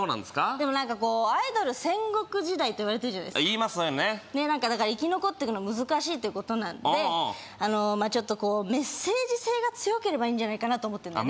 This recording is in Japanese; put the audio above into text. でもなんかこうアイドル戦国時代っていわれてるじゃないですか言いますそれねだから生き残ってくの難しいっていうことなんでちょっとこうメッセージ性が強ければいいんじゃないかなと思ってるんだよね